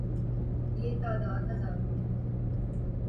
یہ تعداد ہزاروں میں ہے۔